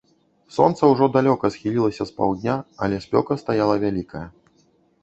Сонца ўжо далёка схілілася з паўдня, але спёка стаяла вялікая.